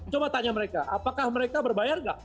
coba tanya mereka apakah mereka berbayar nggak